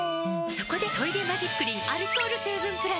そこで「トイレマジックリン」アルコール成分プラス！